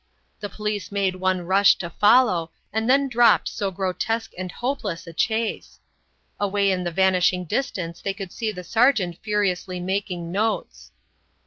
The police made one rush to follow, and then dropped so grotesque and hopeless a chase. Away in the vanishing distance they could see the sergeant furiously making notes.